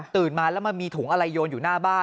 ตื่นมาแล้วมีถุงอะไรโยนอยู่หน้าบ้าน